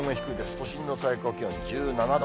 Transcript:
都心の最高気温、１７度。